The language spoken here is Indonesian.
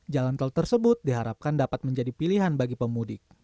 jalan tol tersebut diharapkan dapat menjadi pilihan bagi pemudik